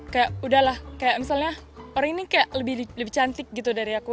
kayak udah lah kayak misalnya orang ini kayak lebih cantik gitu dari aku